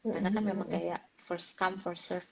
karena memang kayak first come first serve